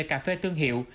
cà phê tương hiệu